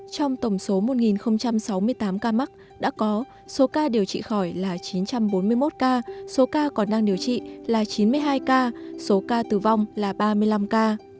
trong tổng số một sáu mươi tám ca mắc đã có số ca điều trị khỏi là chín trăm bốn mươi một ca số ca còn đang điều trị là chín mươi hai ca số ca tử vong là ba mươi năm ca